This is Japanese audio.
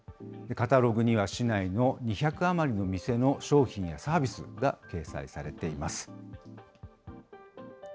カタログには市内の２００余りの店の商品やサービスが掲載されています。